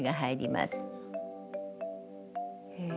へえ。